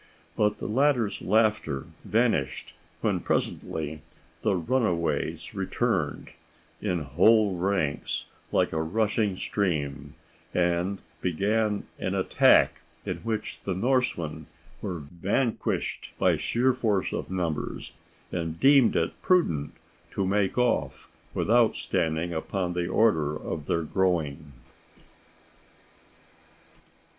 But the latter's laughter vanished when presently the runaways returned "in whole ranks, like a rushing stream," and began an attack in which the Norsemen were vanquished by sheer force of numbers, and deemed it prudent to make off without standing upon the order of their going.